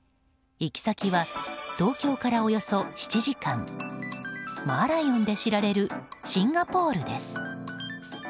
行き先は東京からおよそ７時間マーライオンで知られるシンガポールです。